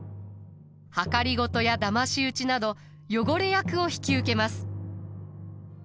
謀やだまし討ちなど汚れ役を引き受けます。